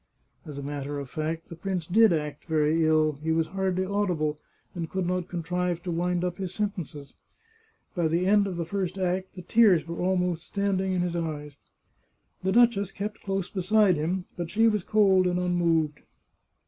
As a matter of fact the prince did act very ill; he was hardly audible, and could not contrive to wind up his sen tences. By the end of the first act the tears were almost standing in his eyes. The duchess kept close beside him, but she was cold and unmoved.